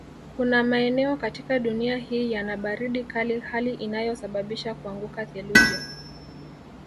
Kuna maeneo katika dunia hii yana baridi kali hali inayosabisha kuanguka theluji